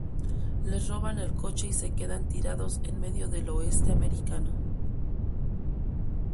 Les roban el coche y se quedan tirados en medio del Oeste americano.